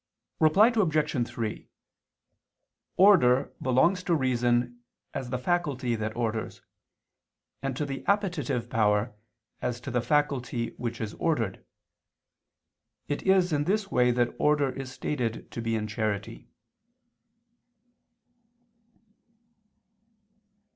Reply Obj. 3: Order belongs to reason as the faculty that orders, and to the appetitive power as to the faculty which is ordered. It is in this way that order is stated to be in charity.